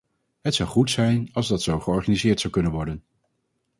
Het zou goed zijn als dat zo georganiseerd zou kunnen worden.